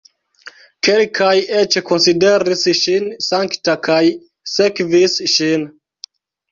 Kelkaj eĉ konsideris ŝin sankta kaj sekvis ŝin.